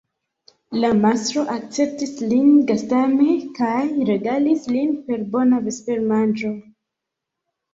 La mastro akceptis lin gastame kaj regalis lin per bona vespermanĝo.